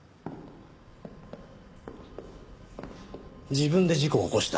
自分で事故を起こした？